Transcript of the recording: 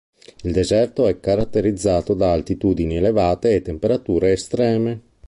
Il deserto è caratterizzato da altitudini elevate e temperature estreme.